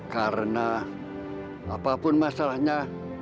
karena apapun masalahnya